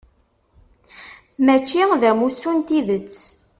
Mačči d amussu n tidet.